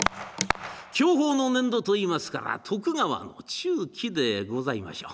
享保の年度といいますから徳川の中期でございましょう。